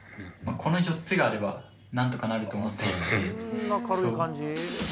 この４つがあれば、なんとかなると思ってるので。